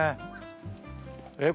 えっ？